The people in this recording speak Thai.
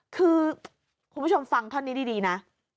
คือคุณผู้ชมฟังท่อนนี้ดีนะ